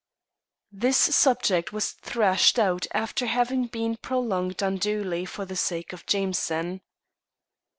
This subject was thrashed out after having been prolonged unduly for the sake of Jameson.